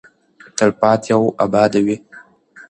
تلپاتې او اباده وي.